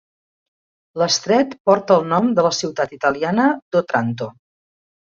L'estret porta el nom de la ciutat italiana d'Otranto.